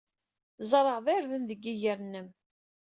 Tzerɛeḍ irden deg yiger-nnem.